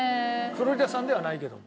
フロリダ産ではないけども。